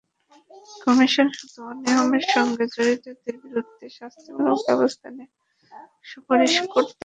Commission শুধু অনিয়মের সঙ্গে জড়িতদের বিরুদ্ধে শাস্তিমূলক ব্যবস্থা নেওয়ার সুপারিশ করতে পারবে।